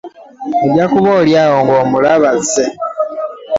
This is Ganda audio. Ojja kuba oli awo ng'omulaba azze.